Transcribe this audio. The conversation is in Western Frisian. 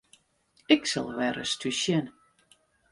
Ik sil wer ris thús sjen.